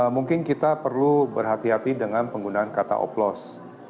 mungkin kita perlu berhati hati dengan penggunaan kata oplos